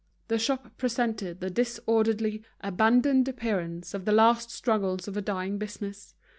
The shop presented the disorderly, abandoned appearance of the last struggles of a dying business.